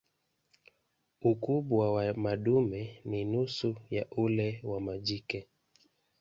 Ukubwa wa madume ni nusu ya ule wa majike.